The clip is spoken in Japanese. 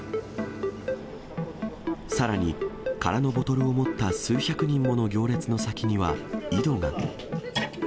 さらに、空のボトルを持った数百人もの行列の先には、井戸が。